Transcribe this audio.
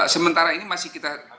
sementara ini masih kita